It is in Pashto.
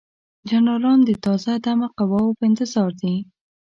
جنرالان د تازه دمه قواوو په انتظار دي.